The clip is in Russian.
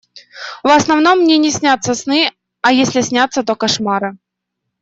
В основном мне не снятся сны, а если снятся, то кошмары.